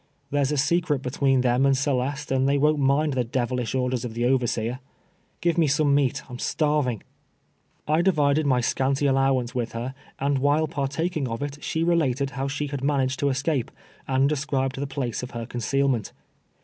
There's a secret between them and Celeste, and they wont mind the devilish orders of the overseer. Give me some meat — I'm starving." I divided my scanty allowance with her, and while partaking of it, she related how she had managed to escape, and described the place of her concealment.